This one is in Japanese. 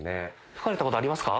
吹かれたことありますか？